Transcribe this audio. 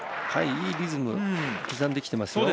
いいリズムを刻んできています。